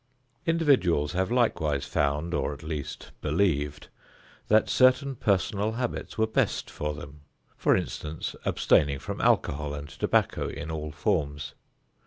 Individuals have likewise found, or at least believed, that certain personal habits were best for them, for instance, abstaining from alcohol and tobacco in all forms.